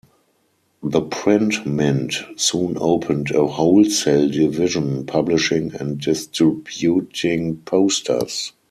The Print Mint soon opened a wholesale division, publishing and distributing posters.